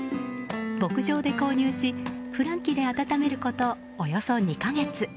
牧場で購入しふ卵器で温めることおよそ２か月。